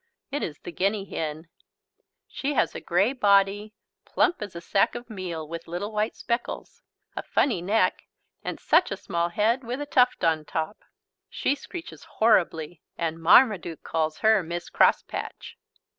It is the guinea hen. She has a grey body, plump as a sack of meal, with little white speckles, a funny neck and such a small head with a tuft on top. She screeches horribly and Marmaduke calls her "Miss Crosspatch."